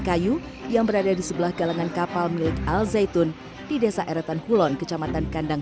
kayu yang berada di sebelah galangan kapal milik al zaitun di desa eretan hulon kecamatan kandang